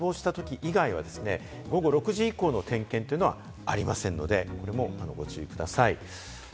それからお客さんが希望したとき以外はですね、午後６時以降の点検というのはありませんので、こちらもご注意ください。